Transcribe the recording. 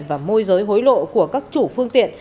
và môi giới hối lộ của các chủ phương tiện